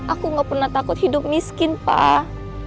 aku gak pernah takut hidup miskin pak